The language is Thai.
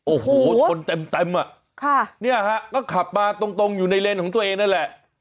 โอ้โหชนเต็มอ่ะค่ะเนี่ยฮะก็ขับมาตรงอยู่ในเลนของตัวเองนั่นแหละ